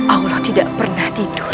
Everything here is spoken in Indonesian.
allah tidak pernah tidur